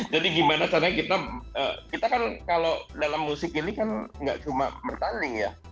jadi gimana caranya kita kita kan kalau dalam musik ini kan gak cuma bertanding ya